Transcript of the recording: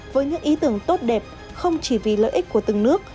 với những ý tưởng tốt đẹp không chỉ vì lợi ích của từng nước